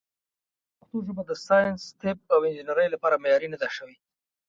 پښتو ژبه د ساینس، طب، او انجنیرۍ لپاره معیاري نه ده شوې.